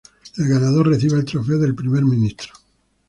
El ganador recibe el Trofeo del Primer Ministro.